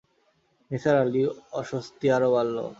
নিসার আলির অস্বস্তি আরো বাড়ল।